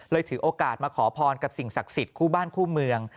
ถือโอกาสมาขอพรกับสิ่งศักดิ์สิทธิ์คู่บ้านคู่เมือง